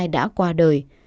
đã qua đời